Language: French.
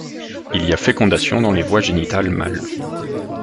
Il y a fécondation dans les voies génitales mâles.